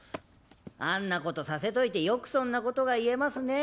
あんなことさせといてよくそんなことが言えますねぇ。